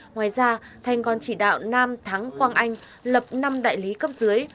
ngoài ra thành còn chỉ đạo nam thắng quang anh lập năm đại lý cấp dưới